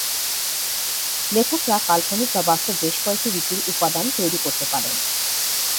লেখকরা কাল্পনিক বা বাস্তব বেশ কয়েকটি রীতির উপাদান তৈরি করতে পারেন।